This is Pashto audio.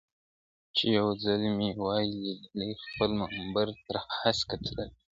چي یو ځل مي وای لیدلی خپل منبر تر هسکه تللی ..